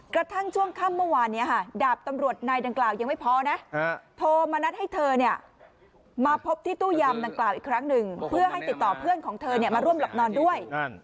กระทั่งช่วงค่ำเมื่อวานนี้ดาบตำรวจนายดังกล่าวยังไม่พอนะโทรมานัดให้เธอมาพบที่ตู้ยำดังกล่าวอีกครั้งหนึ่งเพื่อให้ติดต่อเพื่อนของเธอมาร่วมหลับนอนด้วย